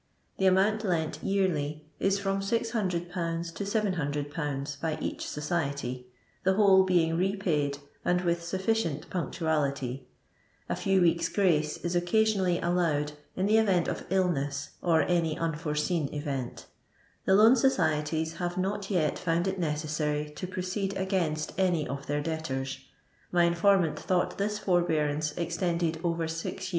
The amount lent yearly is from 600/. to 700/. by «ich society, the whole being repaid and with sufficient punctiuility; a few weeks' " grace " is occasionally allowed in the event of illness or any unforeseen event The Loan Societies have not yet found it necessary to proceed against any of their debtors ; my informant thought this forbearance extended over nx yean.